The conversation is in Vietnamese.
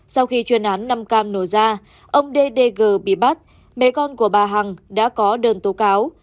sau khi chuyên án năm cam nổ ra ông d d g bị bắt mẹ con của bà hằng đã có đơn tố cáo